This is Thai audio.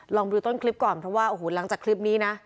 ลองดูต้นคลิปก่อนเพราะว่าโอ้โหหลังจากคลิปนี้นะ